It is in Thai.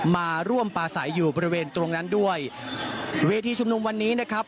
มาร่วมปลาใสอยู่บริเวณตรงนั้นด้วยเวทีชุมนุมวันนี้นะครับ